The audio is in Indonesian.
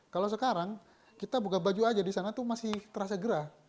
kalau sekarang kita buka baju aja di sana itu masih terasa gerah